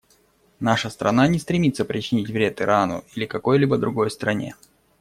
Наша страна не стремится причинить вред Ирану или какой-либо другой стране.